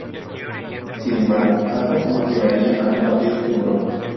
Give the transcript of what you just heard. Sin embargo, Aalto jamás llegaría a combatir en Europa.